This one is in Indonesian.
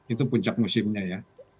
itu puncak musimnya ya